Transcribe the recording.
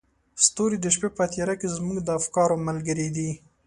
ستوري د شپې په تیاره کې زموږ د افکارو ملګري دي.